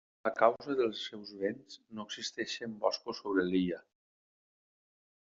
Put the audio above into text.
A causa dels seus vents no existeixen boscos sobre l'illa.